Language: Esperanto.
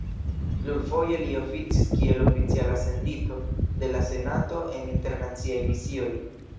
Plurfoje li oficis kiel oficiala sendito de la senato en internaciaj misioj.